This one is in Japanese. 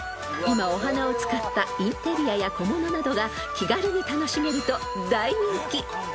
［今お花を使ったインテリアや小物などが気軽に楽しめると大人気］